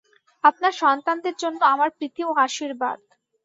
আপনার সন্তানদের জন্য আমার প্রীতি ও আশীর্বাদ।